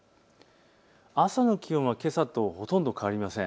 朝の気温はけさとほとんど変わりません。